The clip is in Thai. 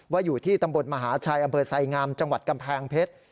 อยู่ที่ตำบลมหาชัยอำเภอไสงามจังหวัดกำแพงเพชร